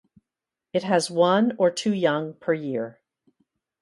It has one or two young per year.